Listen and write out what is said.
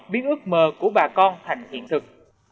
biến ước mơ của bà con thành hiện thực